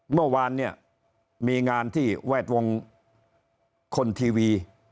เมื่อวานเนี่ยมีงานที่แวดวงคนทีวี